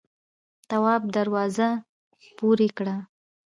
تواب دروازه پورې کړه.